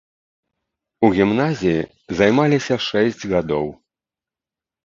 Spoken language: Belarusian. У гімназіі займаліся шэсць гадоў.